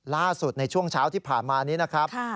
ล่าสุดในช่วงเช้าที่ผ่านมานี้นะครับ